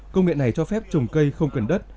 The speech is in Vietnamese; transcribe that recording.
công nghệ này cho phép trồng cây không cần đất